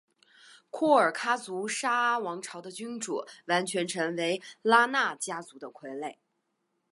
廓尔喀族沙阿王朝的君主完全成为拉纳家族的傀儡。